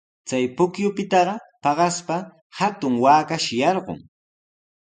Chay pukyupitaqa paqaspa hatun waakashi yarqun.